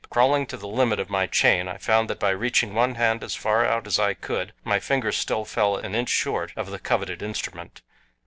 Crawling to the limit of my chain, I found that by reaching one hand as far out as I could my fingers still fell an inch short of the coveted instrument.